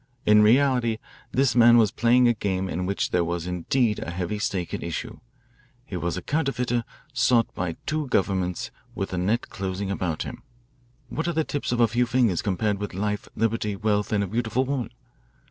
In reality this man was playing a game in which there was indeed a heavy stake at issue. He was a counterfeiter sought by two governments with the net closing about him. What are the tips of a few fingers compared with life, liberty, wealth, and a beautiful woman?